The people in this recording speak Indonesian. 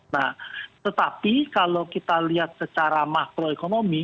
nah tetapi kalau kita lihat secara makroekonomi